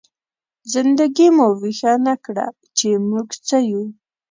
زنده ګي مو ويښه نه کړه، چې موږ څه يو؟!